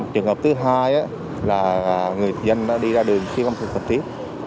trường hợp thứ hai là người dân đi ra đường khi không có thực tiết